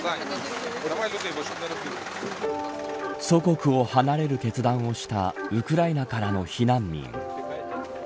祖国を離れる決断をしたウクライナからの避難民。